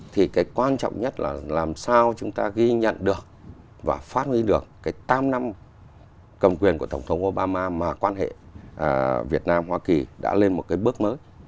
thì cái quan trọng nhất là làm sao chúng ta ghi nhận được và phát huy được cái tam năm cầm quyền của tổng thống obama mà quan hệ việt nam hoa kỳ đã lên một cái bước mới